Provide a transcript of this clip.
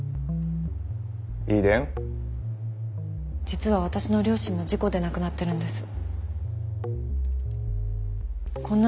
実は私の両親も事故で亡くなってるんです。